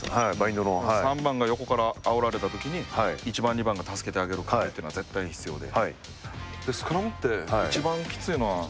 ３番が横から、あおられた時に１番、２番が助けてあげる壁っていうのは絶対、必要で。